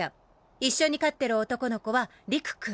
一緒に飼ってる男の子は「リク」くん。